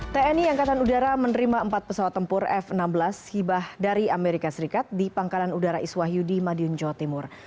tni angkatan udara menerima empat pesawat tempur f enam belas hibah dari amerika serikat di pangkalan udara iswah yudi madiun jawa timur